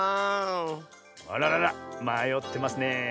あらららまよってますねえ。